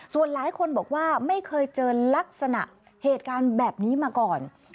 ส่วนหลายคนบอกว่าไม่เคยเจอลักษณะเหตุการณ์แบบนี้มาก่อน